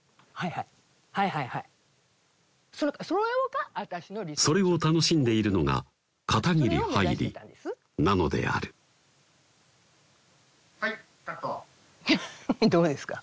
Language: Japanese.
はいはいはいはいそれを楽しんでいるのが片桐はいりなのであるはいカットどうですか？